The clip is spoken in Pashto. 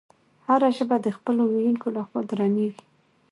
هره ژبه د خپلو ویونکو له خوا درنیږي.